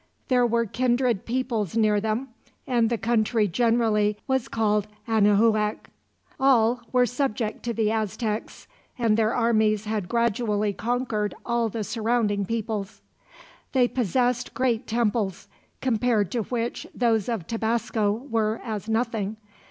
There were kindred peoples near them, and the country generally was called Anahuac. All were subject to the Aztecs, and their armies had gradually conquered all the surrounding peoples. They possessed great temples, compared to which those of Tabasco were as nothing.